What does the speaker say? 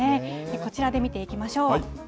こちらで見ていきましょう。